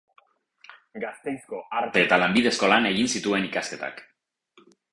Gasteizko Arte eta Lanbide Eskolan egin zituen ikasketak.